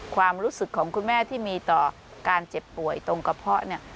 ความรู้สึกของคุณแม่ที่มีต่อการเจ็บป่วยตรงกระเพาะเนี่ย